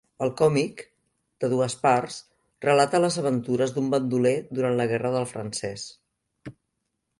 El còmic, de dues parts, relata les aventures d'un bandoler durant la Guerra del Francès.